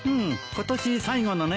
今年最後のね。